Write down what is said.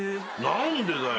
何でだよ？